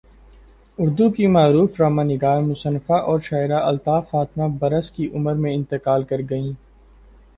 اردو کی معروف ڈرامہ نگار مصنفہ اور شاعرہ الطاف فاطمہ برس کی عمر میں انتقال کر گئیں